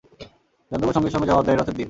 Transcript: যাদবও সঙ্গে সঙ্গে জবাব দেয়, রথের দিন।